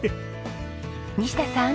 西田さん。